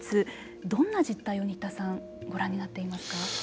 どんな実態を新田さんご覧になっていますか。